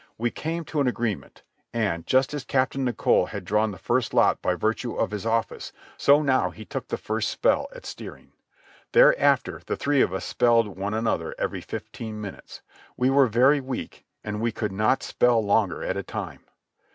We came to an agreement, and, just as Captain Nicholl had drawn the first lot by virtue of his office, so now he took the first spell at steering. Thereafter the three of us spelled one another every fifteen minutes. We were very weak and we could not spell longer at a time.